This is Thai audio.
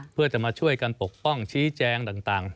เพื่อจะมาช่วยกันปกป้องชี้แจงต่าง